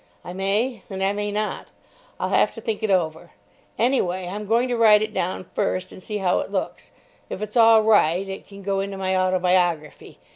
I may and I may not. I'll have to think it over. Anyway, I'm going to write it down first and see how it looks. If it's all right it can go into my autobiography.